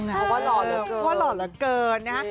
เพราะว่าหล่อเหลือเกิน